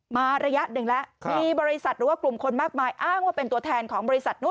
มาระยะหนึ่งแล้วมีบริษัทหรือว่ากลุ่มคนมากมายอ้างว่าเป็นตัวแทนของบริษัทนู้น